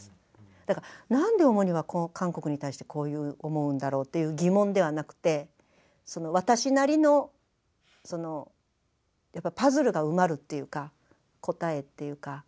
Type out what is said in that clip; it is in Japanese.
だからなんでオモニはこう韓国に対してこういう思うんだろうという疑問ではなくてその私なりのそのやっぱパズルが埋まるっていうか答えっていうか。